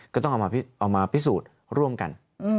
ก็ต้องเอามาพิสูจน์ร่วมกัน